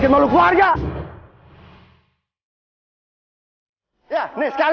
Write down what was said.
kamu tuh istri nggak tahu dia tahu